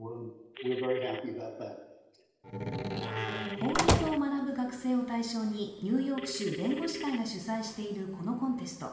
法律を学ぶ学生を対象にニューヨーク州弁護士会が主催しているこのコンテスト。